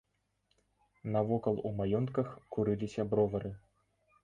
Навокал у маёнтках курыліся бровары.